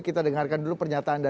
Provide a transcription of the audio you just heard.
kita dengarkan dulu pernyataannya